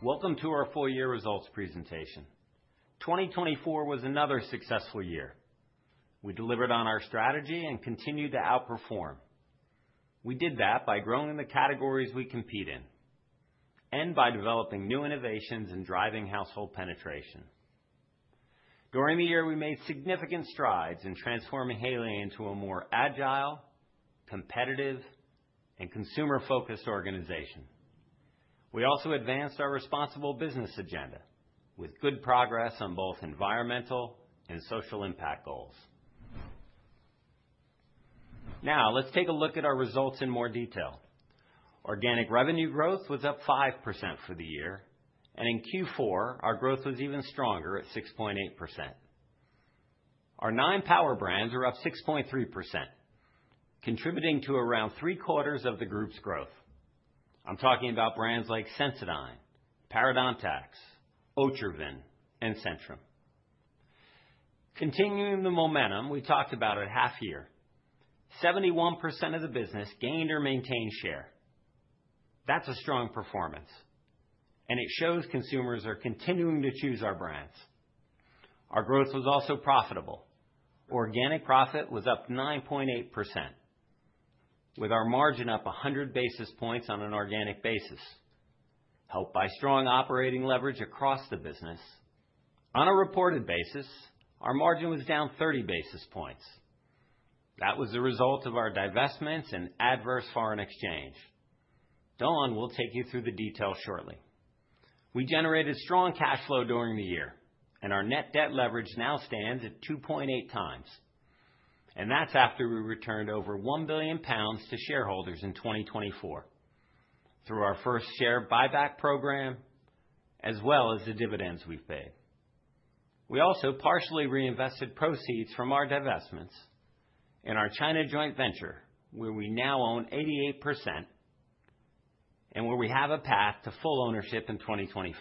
Welcome to our four-year results presentation. 2024 was another successful year. We delivered on our strategy and continued to outperform. We did that by growing the categories we compete in and by developing new innovations and driving household penetration. During the year, we made significant strides in transforming Haleon into a more agile, competitive, and consumer-focused organization. We also advanced our responsible business agenda with good progress on both environmental and social impact goals. Now, let's take a look at our results in more detail. Organic revenue growth was up 5% for the year, and in Q4, our growth was even stronger at 6.8%. Our nine power brands are up 6.3%, contributing to around three-quarters of the group's growth. I'm talking about brands like Sensodyne, Parodontax, Otrivine, and Centrum. Continuing the momentum we talked about at half-year, 71% of the business gained or maintained share. That's a strong performance, and it shows consumers are continuing to choose our brands. Our growth was also profitable. Organic profit was up 9.8%, with our margin up 100 basis points on an organic basis, helped by strong operating leverage across the business. On a reported basis, our margin was down 30 basis points. That was the result of our divestments and adverse foreign exchange. Dawn will take you through the details shortly. We generated strong cash flow during the year, and our net debt leverage now stands at 2.8 times, and that's after we returned over 1 billion pounds to shareholders in 2024 through our first share buyback program, as well as the dividends we've paid. We also partially reinvested proceeds from our divestments in our China joint venture, where we now own 88% and where we have a path to full ownership in 2025.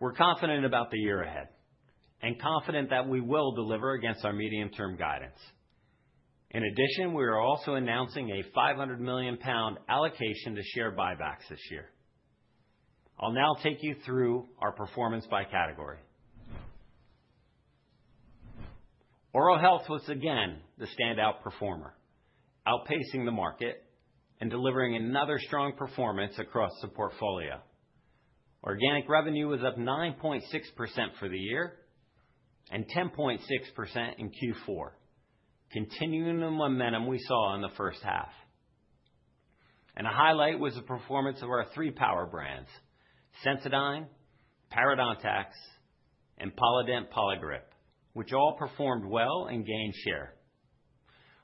We're confident about the year ahead and confident that we will deliver against our medium-term guidance. In addition, we are also announcing a £500 million allocation to share buybacks this year. I'll now take you through our performance by category. Oral Health was again the standout performer, outpacing the market and delivering another strong performance across the portfolio. Organic revenue was up 9.6% for the year and 10.6% in Q4, continuing the momentum we saw in the first half. And a highlight was the performance of our three power brands: Sensodyne, Parodontax, and Polident Poligrip, which all performed well and gained share.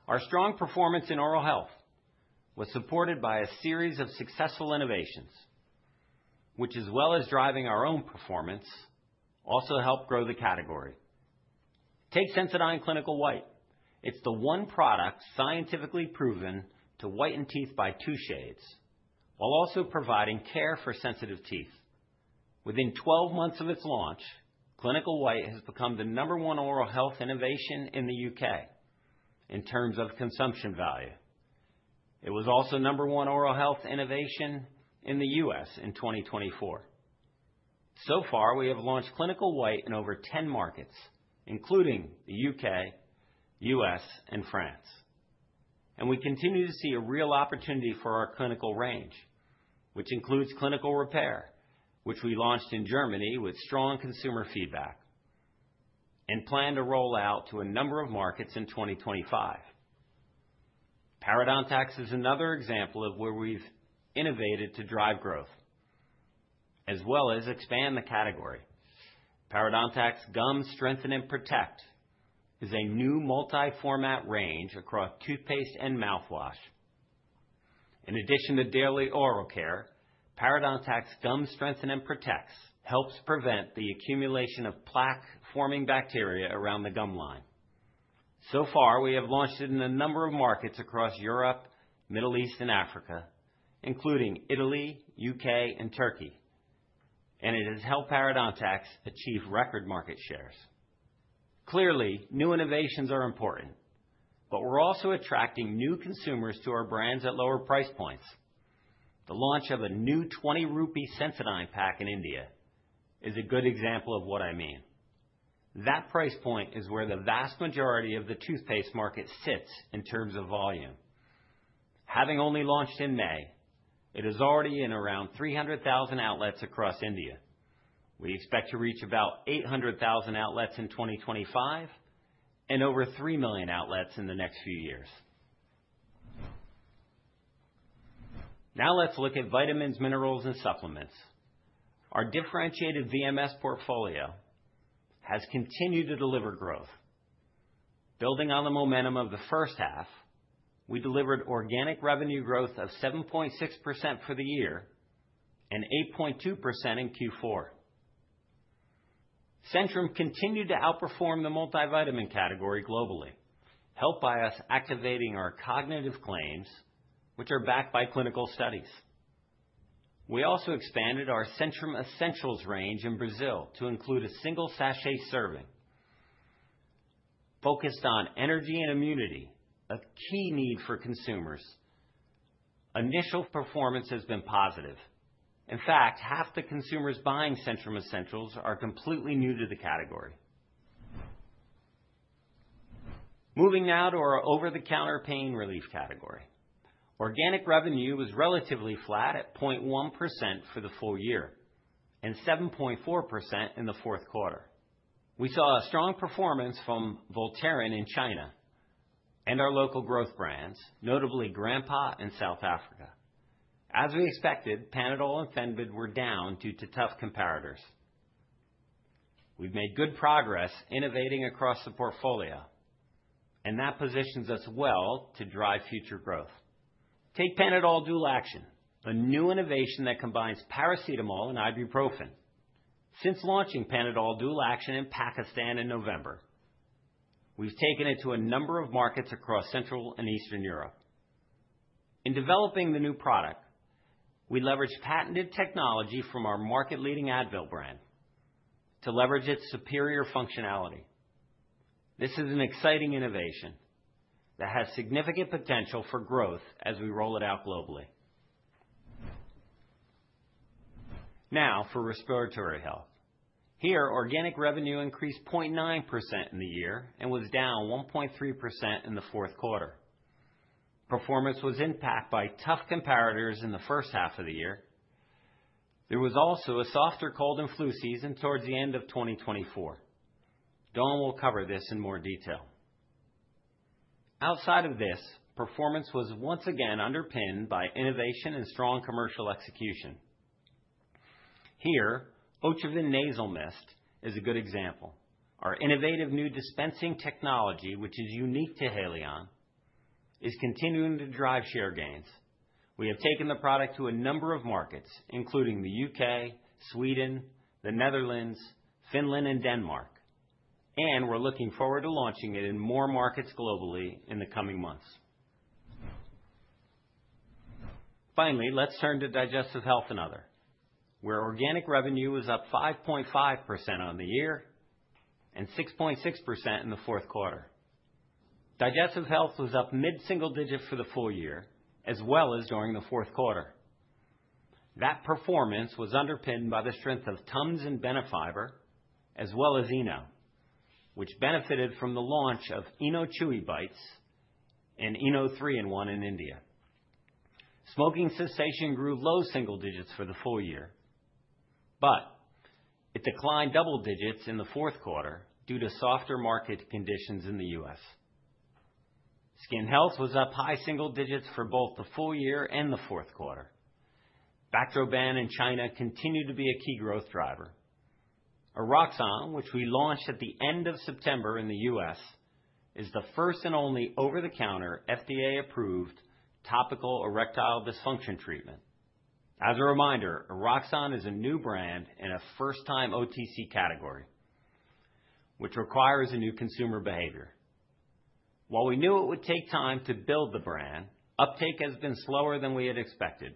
Our strong performance in Oral Health was supported by a series of successful innovations, which, as well as driving our own performance, also helped grow the category. Take Sensodyne Clinical White. It's the one product scientifically proven to whiten teeth by two shades, while also providing care for sensitive teeth. Within 12 months of its launch, Clinical White has become the number one oral health innovation in the UK in terms of consumption value. It was also number one oral health innovation in the US in 2024. So far, we have launched Clinical White in over 10 markets, including the UK, US, and France. We continue to see a real opportunity for our clinical range, which includes Clinical Repair, which we launched in Germany with strong consumer feedback and plan to roll out to a number of markets in 2025. Parodontax is another example of where we've innovated to drive growth, as well as expand the category. Parodontax Gum Strengthen and Protect is a new multi-format range across toothpaste and mouthwash. In addition to daily oral care, Parodontax Gum Strengthen and Protect helps prevent the accumulation of plaque-forming bacteria around the gum line. So far, we have launched it in a number of markets across Europe, the Middle East, and Africa, including Italy, the UK, and Turkey, and it has helped Parodontax achieve record market shares. Clearly, new innovations are important, but we're also attracting new consumers to our brands at lower price points. The launch of a new 20 rupee Sensodyne pack in India is a good example of what I mean. That price point is where the vast majority of the toothpaste market sits in terms of volume. Having only launched in May, it is already in around 300,000 outlets across India. We expect to reach about 800,000 outlets in 2025 and over 3 million outlets in the next few years. Now let's look at vitamins, minerals, and supplements. Our differentiated VMS portfolio has continued to deliver growth. Building on the momentum of the first half, we delivered organic revenue growth of 7.6% for the year and 8.2% in Q4. Centrum continued to outperform the multivitamin category globally, helped by us activating our cognitive claims, which are backed by clinical studies. We also expanded our Centrum Essentials range in Brazil to include a single sachet serving. Focused on energy and immunity, a key need for consumers, initial performance has been positive. In fact, half the consumers buying Centrum Essentials are completely new to the category. Moving now to our over-the-counter pain relief category. Organic revenue was relatively flat at 0.1% for the full year and 7.4% in the fourth quarter. We saw a strong performance from Voltaren in China and our local growth brands, notably Grandpa in South Africa. As we expected, Panadol and Fenbid were down due to tough comparators. We've made good progress innovating across the portfolio, and that positions us well to drive future growth. Take Panadol Dual Action, a new innovation that combines paracetamol and ibuprofen. Since launching Panadol Dual Action in Pakistan in November, we've taken it to a number of markets across Central and Eastern Europe. In developing the new product, we leveraged patented technology from our market-leading Advil brand to leverage its superior functionality. This is an exciting innovation that has significant potential for growth as we roll it out globally. Now for Respiratory health. Here, organic revenue increased 0.9% in the year and was down 1.3% in the fourth quarter. Performance was impacted by tough comparators in the first half of the year. There was also a softer cold and flu season toward the end of 2024. Dawn will cover this in more detail. Outside of this, performance was once again underpinned by innovation and strong commercial execution. Here, Otriven Nasal Mist is a good example. Our innovative new dispensing technology, which is unique to Haleon, is continuing to drive share gains. We have taken the product to a number of markets, including the UK, Sweden, the Netherlands, Finland, and Denmark, and we're looking forward to launching it in more markets globally in the coming months. Finally, let's turn to Digestive Health and Other, where organic revenue was up 5.5% on the year and 6.6% in the fourth quarter. Digestive Health was up mid-single digit for the full year, as well as during the fourth quarter. That performance was underpinned by the strength of Tums and Benefiber, as well as Eno, which benefited from the launch of Eno Chewy Bites and Eno 3-in-1 in India. Smoking cessation grew low single digits for the full year, but it declined double digits in the fourth quarter due to softer market conditions in the U.S. Skin Health was up high single digits for both the full year and the fourth quarter. Bactroban in China continued to be a key growth driver. Eroxon, which we launched at the end of September in the U.S., is the first and only over-the-counter FDA-approved topical erectile dysfunction treatment. As a reminder, Eroxon is a new brand in a first-time OTC category, which requires a new consumer behavior. While we knew it would take time to build the brand, uptake has been slower than we had expected.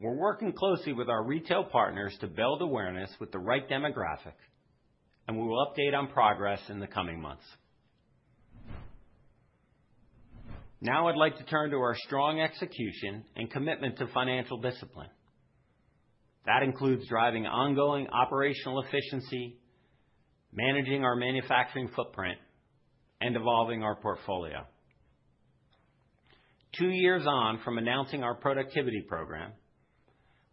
We're working closely with our retail partners to build awareness with the right demographic, and we will update on progress in the coming months. Now I'd like to turn to our strong execution and commitment to financial discipline. That includes driving ongoing operational efficiency, managing our manufacturing footprint, and evolving our portfolio. Two years on from announcing our productivity program,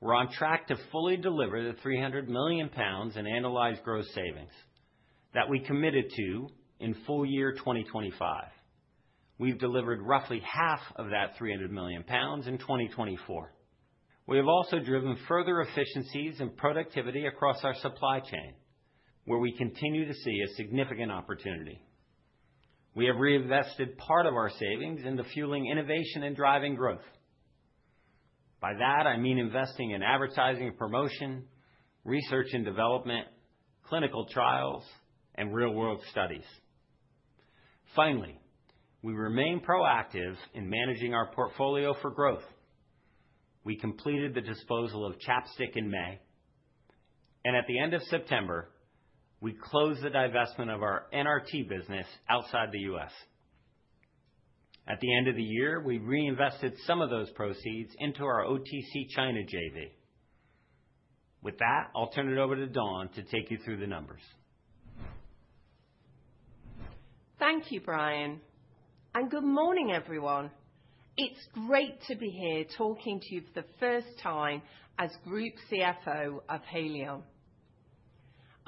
we're on track to fully deliver the 300 million pounds in annualized gross savings that we committed to in full year 2025. We've delivered roughly 150 million pounds in 2024. We have also driven further efficiencies and productivity across our supply chain, where we continue to see a significant opportunity. We have reinvested part of our savings into fueling innovation and driving growth. By that, I mean investing in advertising and promotion, research and development, clinical trials, and real-world studies. Finally, we remain proactive in managing our portfolio for growth. We completed the disposal of ChapStick in May, and at the end of September, we closed the divestment of our NRT business outside the U.S. At the end of the year, we reinvested some of those proceeds into our OTC China JV. With that, I'll turn it over to Dawn to take you through the numbers. Thank you, Brian. And good morning, everyone. It's great to be here talking to you for the first time as Group CFO of Haleon.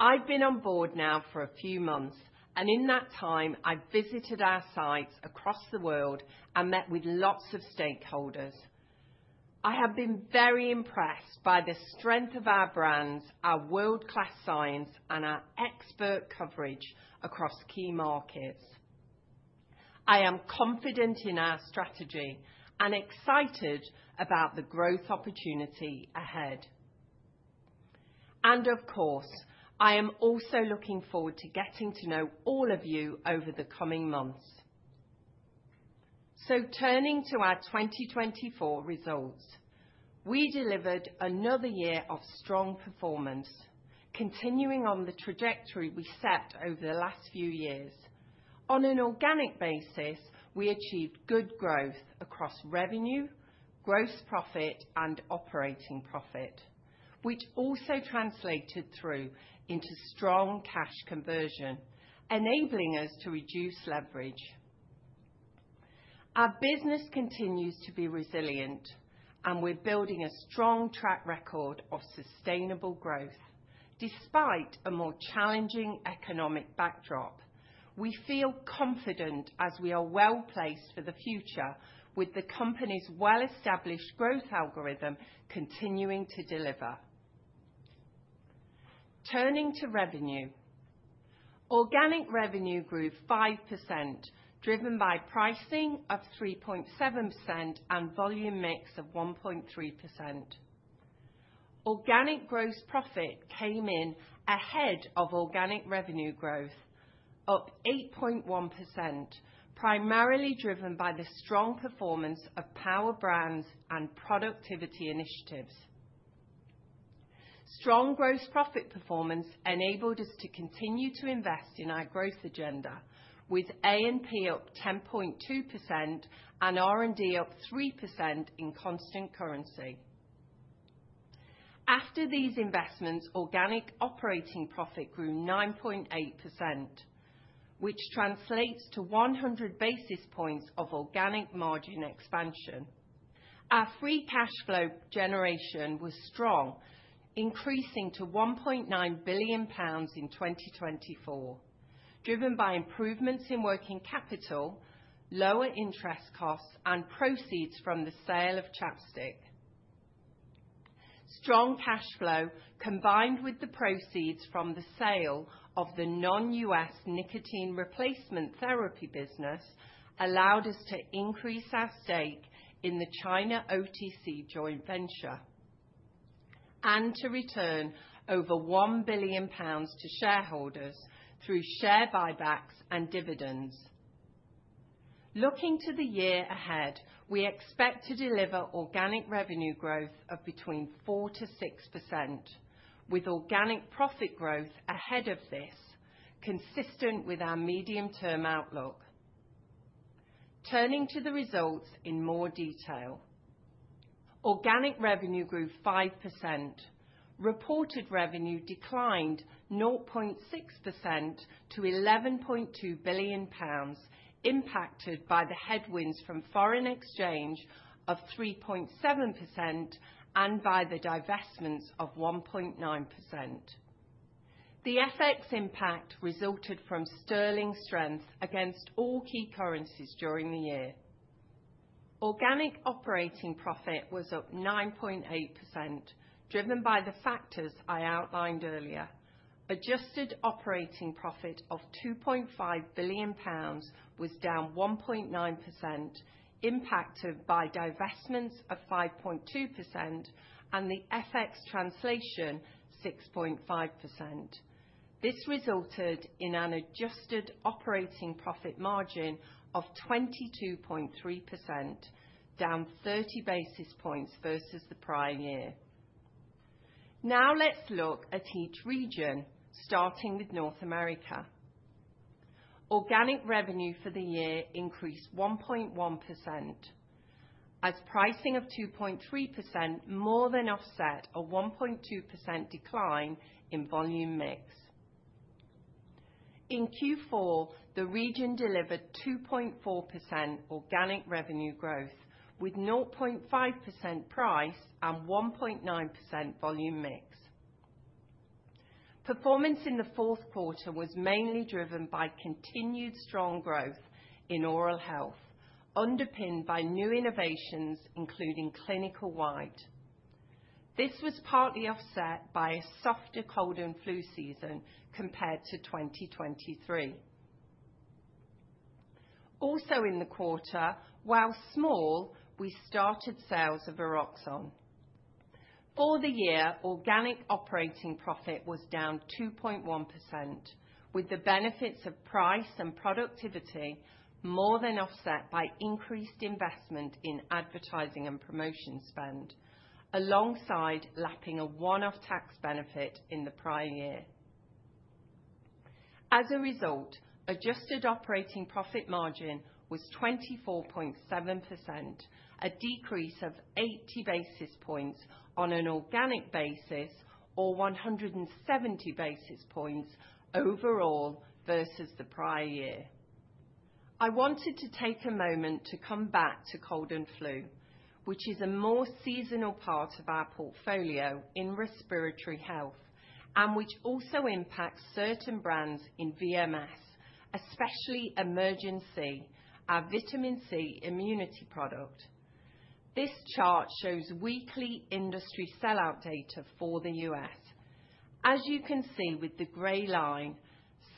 I've been on board now for a few months, and in that time, I've visited our sites across the world and met with lots of stakeholders. I have been very impressed by the strength of our brands, our world-class science, and our expert coverage across key markets. I am confident in our strategy and excited about the growth opportunity ahead. And of course, I am also looking forward to getting to know all of you over the coming months. So turning to our 2024 results, we delivered another year of strong performance, continuing on the trajectory we set over the last few years. On an organic basis, we achieved good growth across revenue, gross profit, and operating profit, which also translated through into strong cash conversion, enabling us to reduce leverage. Our business continues to be resilient, and we're building a strong track record of sustainable growth despite a more challenging economic backdrop. We feel confident as we are well placed for the future, with the company's well-established growth algorithm continuing to deliver. Turning to revenue, organic revenue grew 5%, driven by pricing of 3.7% and volume mix of 1.3%. Organic gross profit came in ahead of organic revenue growth, up 8.1%, primarily driven by the strong performance of Power Brands and productivity initiatives. Strong gross profit performance enabled us to continue to invest in our growth agenda, with A&P up 10.2% and R&D up 3% in constant currency. After these investments, organic operating profit grew 9.8%, which translates to 100 basis points of organic margin expansion. Our free cash flow generation was strong, increasing to 1.9 billion pounds in 2024, driven by improvements in working capital, lower interest costs, and proceeds from the sale of ChapStick. Strong cash flow, combined with the proceeds from the sale of the non-US nicotine replacement therapy business, allowed us to increase our stake in the China OTC joint venture and to return over 1 billion pounds to shareholders through share buybacks and dividends. Looking to the year ahead, we expect to deliver organic revenue growth of between 4%-6%, with organic profit growth ahead of this, consistent with our medium-term outlook. Turning to the results in more detail, organic revenue grew 5%. Reported revenue declined 0.6% to £11.2 billion, impacted by the headwinds from foreign exchange of 3.7% and by the divestments of 1.9%. The FX impact resulted from sterling strength against all key currencies during the year. Organic operating profit was up 9.8%, driven by the factors I outlined earlier. Adjusted operating profit of £2.5 billion was down 1.9%, impacted by divestments of 5.2% and the FX translation 6.5%. This resulted in an adjusted operating profit margin of 22.3%, down 30 basis points versus the prior year. Now let's look at each region, starting with North America. Organic revenue for the year increased 1.1%, as pricing of 2.3% more than offset a 1.2% decline in volume mix. In Q4, the region delivered 2.4% organic revenue growth, with 0.5% price and 1.9% volume mix. Performance in the fourth quarter was mainly driven by continued strong growth in oral health, underpinned by new innovations, including Clinical White. This was partly offset by a softer cold and flu season compared to 2023. Also in the quarter, while small, we started sales of Eroxon. For the year, organic operating profit was down 2.1%, with the benefits of price and productivity more than offset by increased investment in advertising and promotion spend, alongside lapping a one-off tax benefit in the prior year. As a result, adjusted operating profit margin was 24.7%, a decrease of 80 basis points on an organic basis or 170 basis points overall versus the prior year. I wanted to take a moment to come back to cold and flu, which is a more seasonal part of our portfolio in respiratory health and which also impacts certain brands in VMS, especially Emergen-C, our vitamin C immunity product. This chart shows weekly industry sellout data for the U.S. As you can see with the gray line,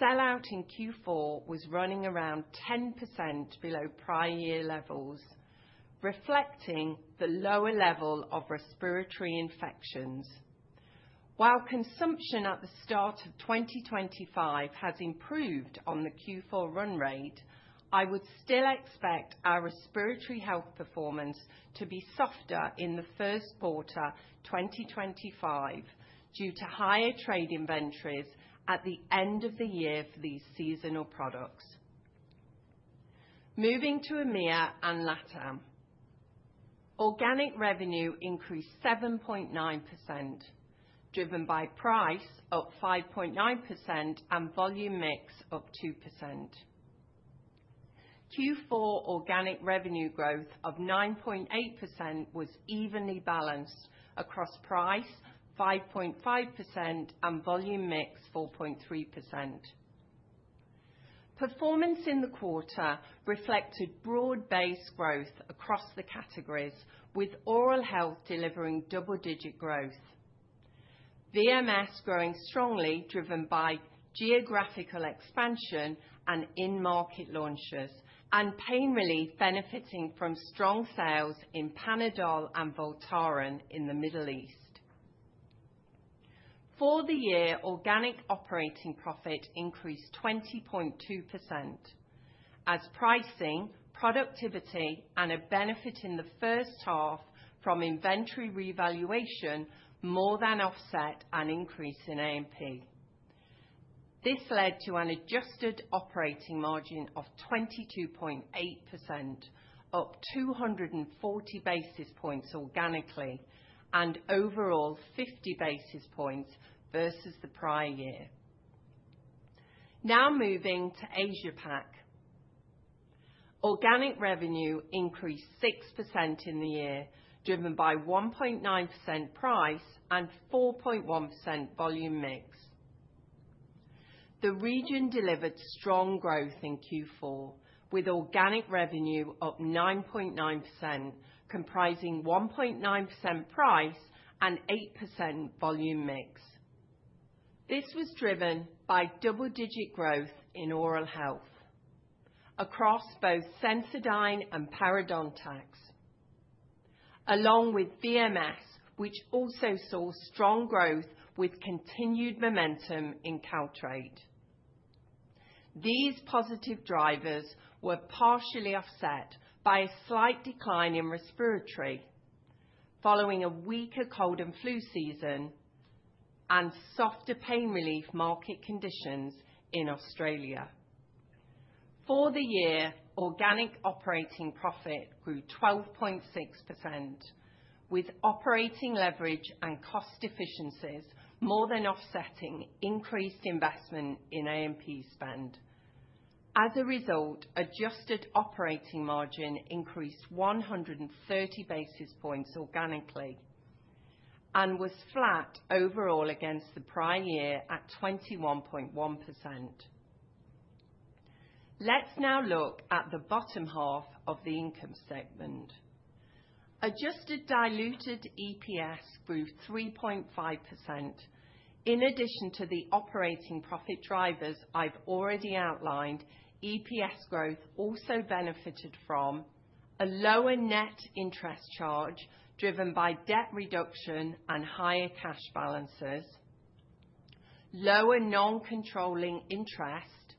sellout in Q4 was running around 10% below prior year levels, reflecting the lower level of respiratory infections. While consumption at the start of 2025 has improved on the Q4 run rate, I would still expect our respiratory health performance to be softer in the first quarter 2025 due to higher trade inventories at the end of the year for these seasonal products. Moving to EMEA and LatAm, organic revenue increased 7.9%, driven by price up 5.9% and volume mix up 2%. Q4 organic revenue growth of 9.8% was evenly balanced across price 5.5% and volume mix 4.3%. Performance in the quarter reflected broad base growth across the categories, with oral health delivering double-digit growth, VMS growing strongly driven by geographical expansion and in-market launches, and pain relief benefiting from strong sales in Panadol and Voltaren in the Middle East. For the year, organic operating profit increased 20.2%, as pricing, productivity, and a benefit in the first half from inventory revaluation more than offset an increase in A&P. This led to an adjusted operating margin of 22.8%, up 240 basis points organically and overall 50 basis points versus the prior year. Now moving to Asia-Pac, organic revenue increased 6% in the year, driven by 1.9% price and 4.1% volume mix. The region delivered strong growth in Q4, with organic revenue up 9.9%, comprising 1.9% price and 8% volume mix. This was driven by double-digit growth in oral health across both Sensodyne and Parodontax, along with VMS, which also saw strong growth with continued momentum in Caltrate. These positive drivers were partially offset by a slight decline in respiratory following a weaker cold and flu season and softer pain relief market conditions in Australia. For the year, organic operating profit grew 12.6%, with operating leverage and cost efficiencies more than offsetting increased investment in A&P spend. As a result, adjusted operating margin increased 130 basis points organically and was flat overall against the prior year at 21.1%. Let's now look at the bottom half of the income segment. Adjusted diluted EPS grew 3.5%. In addition to the operating profit drivers I've already outlined, EPS growth also benefited from a lower net interest charge driven by debt reduction and higher cash balances, lower non-controlling interest,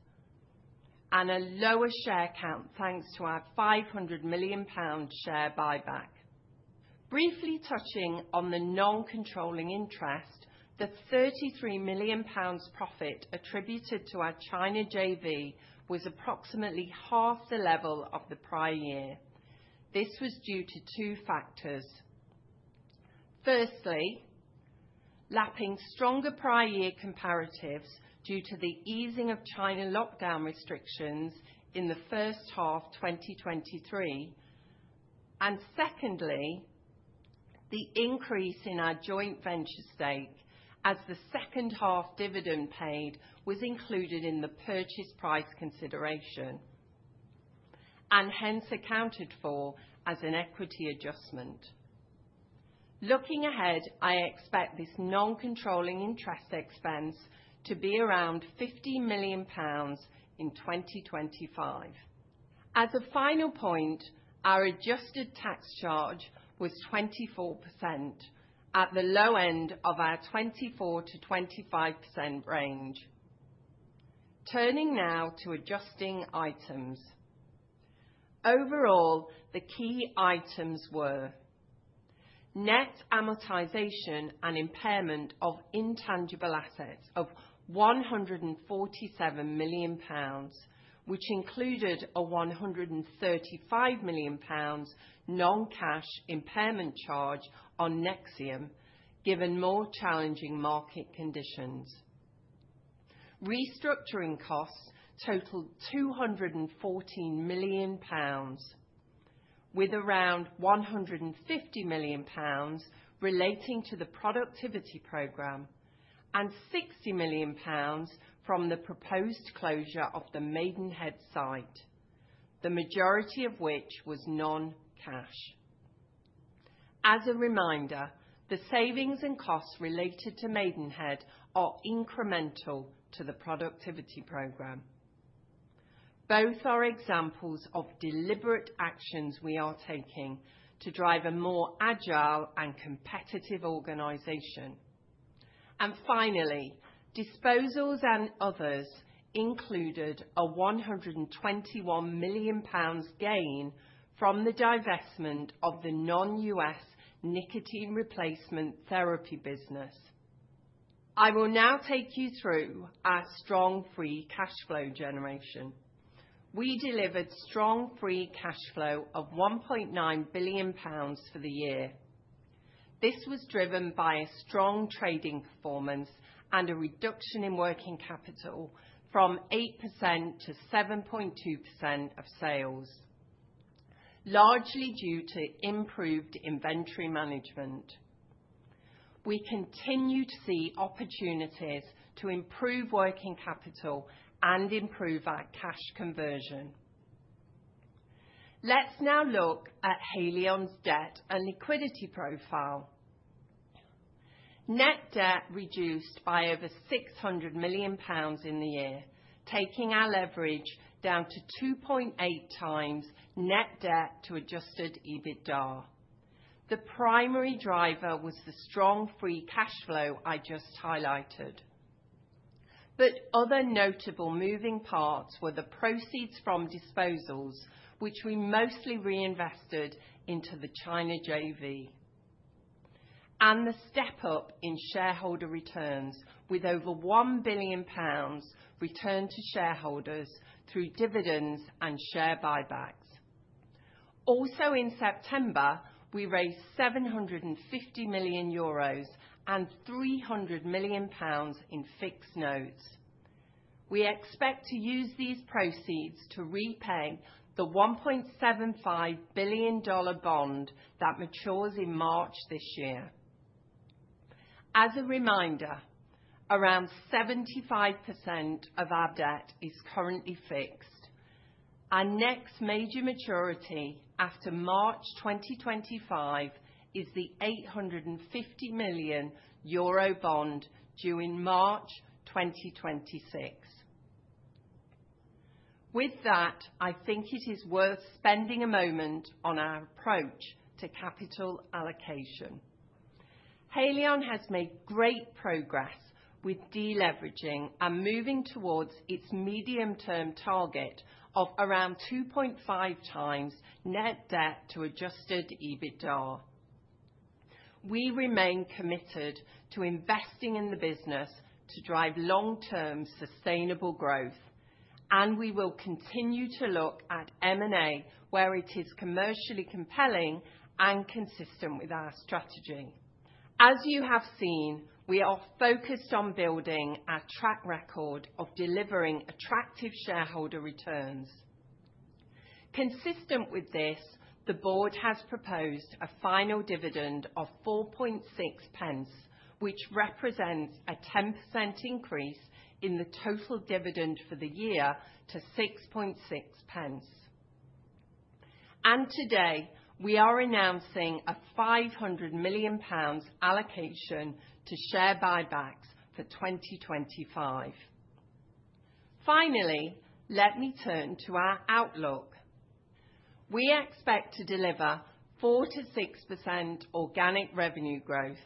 and a lower share count thanks to our 500 million pound share buyback. Briefly touching on the non-controlling interest, the 33 million pounds profit attributed to our China JV was approximately half the level of the prior year. This was due to two factors. Firstly, lapping stronger prior year comparatives due to the easing of China lockdown restrictions in the first half 2023, and secondly, the increase in our joint venture stake as the second half dividend paid was included in the purchase price consideration and hence accounted for as an equity adjustment. Looking ahead, I expect this non-controlling interest expense to be around 50 million pounds in 2025. As a final point, our adjusted tax charge was 24% at the low end of our 24% to 25% range. Turning now to adjusting items. Overall, the key items were net amortization and impairment of intangible assets of 147 million pounds, which included a 135 million pounds non-cash impairment charge on Nexium, given more challenging market conditions. Restructuring costs totaled 214 million pounds, with around 150 million pounds relating to the productivity program and 60 million pounds from the proposed closure of the Maidenhead site, the majority of which was non-cash. As a reminder, the savings and costs related to Maidenhead are incremental to the productivity program. Both are examples of deliberate actions we are taking to drive a more agile and competitive organization. And finally, disposals and others included a 121 million pounds gain from the divestment of the non-US nicotine replacement therapy business. I will now take you through our strong Free Cash Flow generation. We delivered strong Free Cash Flow of £1.9 billion for the year. This was driven by a strong trading performance and a reduction in Working Capital from 8% to 7.2% of sales, largely due to improved inventory management. We continue to see opportunities to improve Working Capital and improve our cash conversion. Let's now look at Haleon's debt and liquidity profile. Net Debt reduced by over £600 million in the year, taking our leverage down to 2.8 times Net Debt to Adjusted EBITDA. The primary driver was the strong Free Cash Flow I just highlighted. But other notable moving parts were the proceeds from disposals, which we mostly reinvested into the China JV, and the step-up in shareholder returns with over £1 billion returned to shareholders through dividends and share buybacks. Also in September, we raised 750 million euros and 300 million pounds in fixed notes. We expect to use these proceeds to repay the $1.75 billion bond that matures in March this year. As a reminder, around 75% of our debt is currently fixed. Our next major maturity after March 2025 is the 850 million euro bond due in March 2026. With that, I think it is worth spending a moment on our approach to capital allocation. Haleon has made great progress with deleveraging and moving towards its medium-term target of around 2.5 times net debt to adjusted EBITDA. We remain committed to investing in the business to drive long-term sustainable growth, and we will continue to look at M&A where it is commercially compelling and consistent with our strategy. As you have seen, we are focused on building our track record of delivering attractive shareholder returns. Consistent with this, the board has proposed a final dividend of £4.6, which represents a 10% increase in the total dividend for the year to £6.6, and today, we are announcing a £500 million allocation to share buybacks for 2025. Finally, let me turn to our outlook. We expect to deliver 4%-6% organic revenue growth.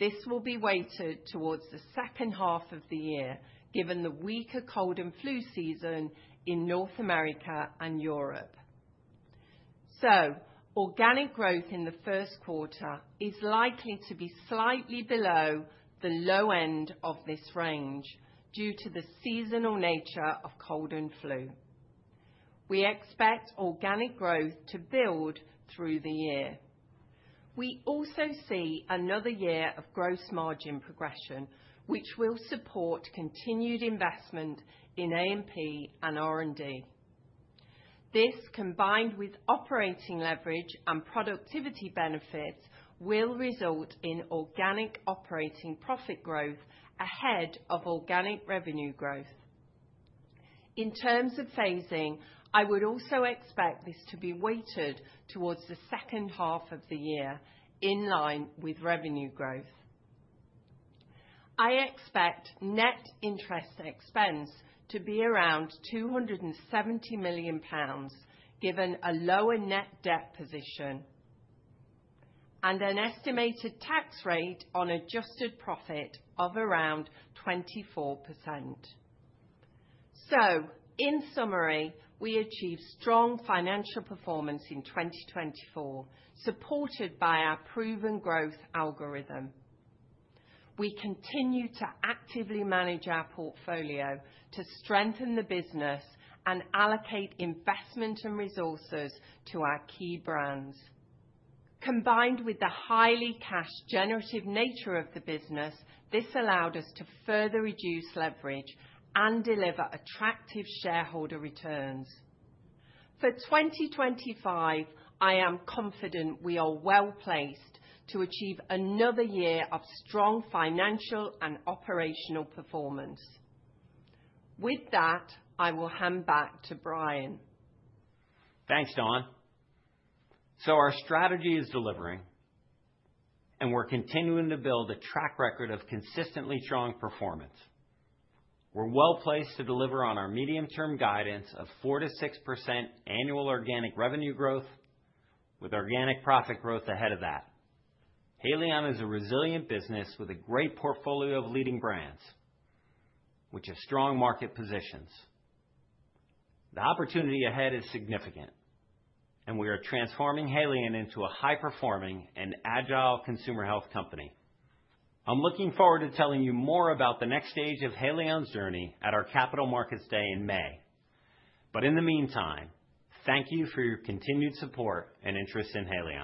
This will be weighted towards the second half of the year, given the weaker cold and flu season in North America and Europe, so organic growth in the first quarter is likely to be slightly below the low end of this range due to the seasonal nature of cold and flu. We expect organic growth to build through the year. We also see another year of gross margin progression, which will support continued investment in A&P and R&D. This, combined with operating leverage and productivity benefits, will result in organic operating profit growth ahead of organic revenue growth. In terms of phasing, I would also expect this to be weighted towards the second half of the year in line with revenue growth. I expect net interest expense to be around 270 million pounds, given a lower net debt position and an estimated tax rate on adjusted profit of around 24%. So, in summary, we achieved strong financial performance in 2024, supported by our proven growth algorithm. We continue to actively manage our portfolio to strengthen the business and allocate investment and resources to our key brands. Combined with the highly cash-generative nature of the business, this allowed us to further reduce leverage and deliver attractive shareholder returns. For 2025, I am confident we are well placed to achieve another year of strong financial and operational performance. With that, I will hand back to Brian. Thanks, Dawn. So, our strategy is delivering, and we're continuing to build a track record of consistently strong performance. We're well placed to deliver on our medium-term guidance of 4%-6% annual organic revenue growth, with organic profit growth ahead of that. Haleon is a resilient business with a great portfolio of leading brands, which have strong market positions. The opportunity ahead is significant, and we are transforming Haleon into a high-performing and agile consumer health company. I'm looking forward to telling you more about the next stage of Haleon's journey at our Capital Markets Day in May. But in the meantime, thank you for your continued support and interest in Haleon.